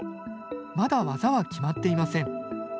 まだ技は決まっていません。